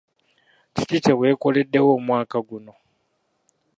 Kiki kye weekoleddewo omwaka guno?